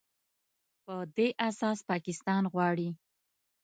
په دې اساس پاکستان غواړي